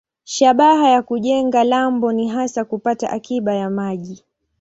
Shabaha ya kujenga lambo ni hasa kupata akiba ya maji.